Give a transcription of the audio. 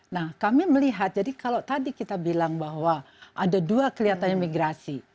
nah kami melihat jadi kalau tadi kita bilang bahwa ada dua kelihatannya migrasi